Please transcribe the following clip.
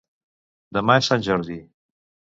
Demà és Sant Jordi.